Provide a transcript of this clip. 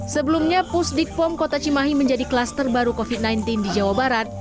sebelumnya pusdik pom kota cimahi menjadi klaster baru covid sembilan belas di jawa barat